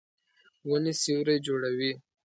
ونې سیوری جوړوي.